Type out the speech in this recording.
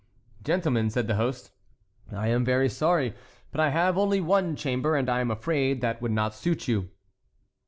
"Gentlemen," said the host, "I am very sorry, but I have only one chamber, and I am afraid that would not suit you."